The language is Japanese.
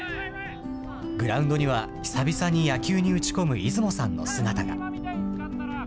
グラウンドには、久々に野球に打ち込む出雲さんの姿が。